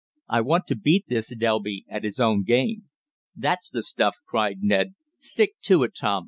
I want to beat this Delby at his own game." "That's the stuff!" cried Ned. "Stick to it, Tom.